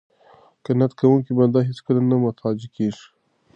قناعت کوونکی بنده هېڅکله نه محتاج کیږي.